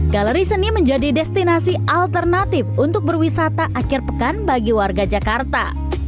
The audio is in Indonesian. galeri seni menjadi destinasi alternatif untuk berwisata akhir pekan bagi warga jakarta